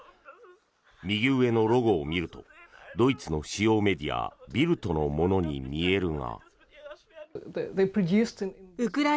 右上のロゴを見るとドイツの主要メディアビルトのものに見えるが。